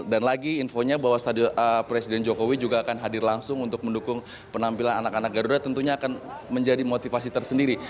dan lagi infonya bahwa stadion presiden jokowi juga akan hadir langsung untuk mendukung penampilan anak anak garuda tentunya akan menjadi motivasi tersendiri